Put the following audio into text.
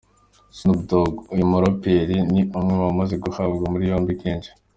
Snoop Dogg: uyu muraperi ni umwe mu bamaze gutabwa muri yombi kenshi.